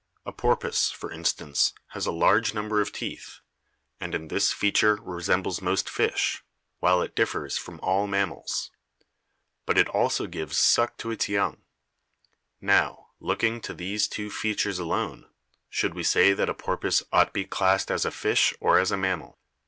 A porpoise, for instance, has a large number of teeth, and in this feature resembles most fish, EVIDENCES OF ORGANIC EVOLUTION 163 while it differs from all mammals. But it also gives suck to its young. Now, looking to these two features alone, should we say that a porpoise ought to be classed as a fish or as a mammal?